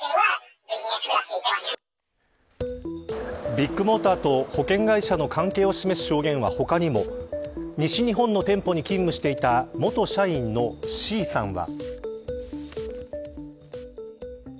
ビッグモーターと保険会社の関係を示す証言は他にも西日本の店舗に勤務していた元社員のＣさんは。